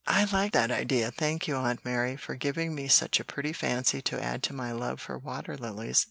"I like that idea! Thank you, Aunt Mary, for giving me such a pretty fancy to add to my love for water lilies.